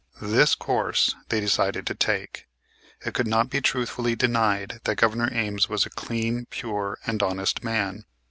This course they decided to take. It could not be truthfully denied that Governor Ames was a clean, pure, and honest man.